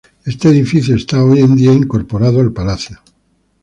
Este edificio está incorporado al Palacio hoy en día.